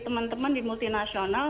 teman teman di multinasional